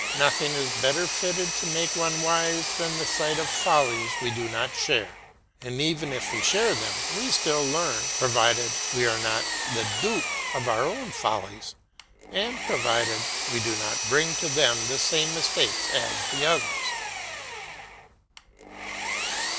Nothing is better fitted to make one wise than the sight of follies we do not share, and even if we share them, we still learn, provided we are not the dupe of our follies and provided we do not bring to them the same mistakes as the others.